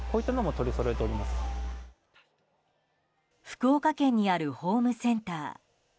福岡県にあるホームセンター。